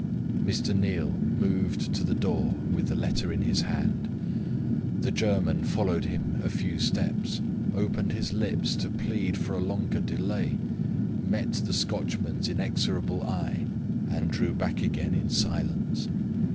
Mr. Neal moved to the door, with the letter in his hand. The German followed him a few steps, opened his lips to plead for a longer delay, met the Scotchman's inexorable eye, and drew back again in silence.